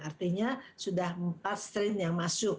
artinya sudah empat strain yang masuk